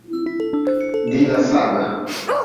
Diila sahbe.